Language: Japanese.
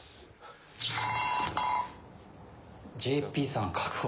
ＪＰさん、確保。